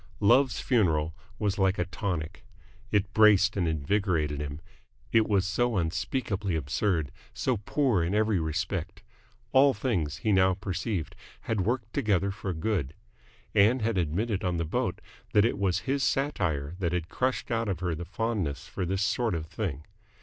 "Love's Funeral" was like a tonic. It braced and invigourated him. It was so unspeakably absurd, so poor in every respect. All things, he now perceived, had worked together for good. Ann had admitted on the boat that it was his satire that had crushed out of her the fondness for this sort of thing.